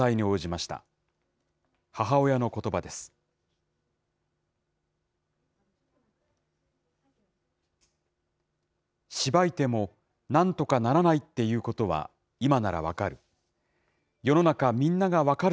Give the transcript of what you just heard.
しばいてもなんとかならないっていうことは、今なら分かる。